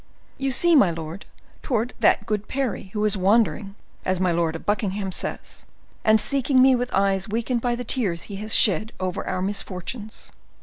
"You see, my lord, towards that good Parry, who is wandering, as my lord of Buckingham says, and seeking me with eyes weakened by the tears he has shed over our misfortunes."